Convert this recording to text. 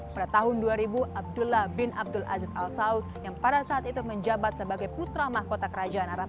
pada tahun dua ribu abdullah bin abdul aziz al saud yang pada saat itu menjabat sebagai putra mahkota kerajaan arab